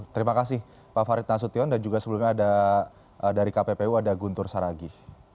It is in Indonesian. terima kasih pak farid nasution dan juga sebelumnya ada dari kppu ada guntur saragih